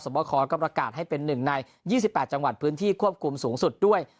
บคก็ประกาศให้เป็น๑ใน๒๘จังหวัดพื้นที่ควบคุมสูงสุดด้วย